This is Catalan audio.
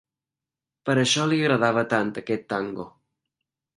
Per això li agradava tant, aquest tango.